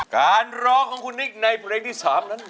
การร้องของคุณนิกในเพลงที่๓นั้น